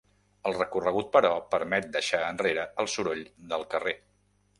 El recorregut però permet deixar enrere el soroll del carrer.